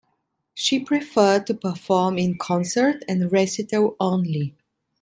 She preferred to perform in concert and recital only.